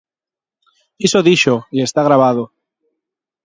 Iso díxoo e está gravado.